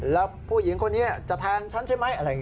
แล้วผู้หญิงคนนี้จะแทงฉันใช่ไหม